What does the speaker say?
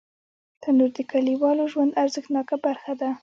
تنور د کلیوالو ژوند ارزښتناکه برخه ده